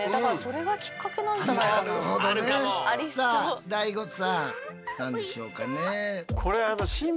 さあＤＡＩＧＯさん何でしょうかね。